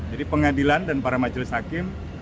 jadi pengadilan dan para majelis hakim